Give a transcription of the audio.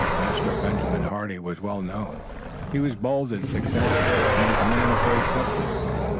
Master Benjamin Hardy was well known. He was bold and successful and he was a man of great substance.